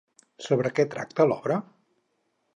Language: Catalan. Sobre què tracta l'obra?